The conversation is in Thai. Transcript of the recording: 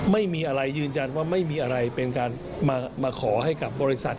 ไม่มีอะไรยืนยันว่าไม่มีอะไรเป็นการมาขอให้กับบริษัท